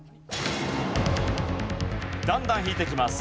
だんだん引いていきます。